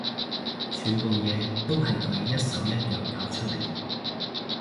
全部嘢都係佢一手一腳搞出嚟